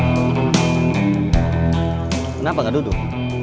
kenapa gak duduk